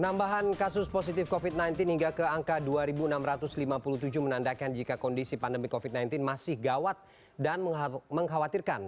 penambahan kasus positif covid sembilan belas hingga ke angka dua enam ratus lima puluh tujuh menandakan jika kondisi pandemi covid sembilan belas masih gawat dan mengkhawatirkan